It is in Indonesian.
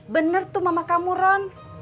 bener tuh mama kamu ron